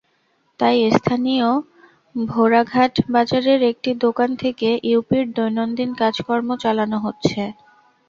তাই স্থানীয় ভোরাঘাট বাজারের একটি দোকান থেকে ইউপির দৈনন্দিন কাজকর্ম চালানো হচ্ছে।